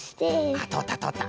あっとおったとおった。